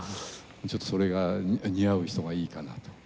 ちょっとそれが似合う人がいいかなと。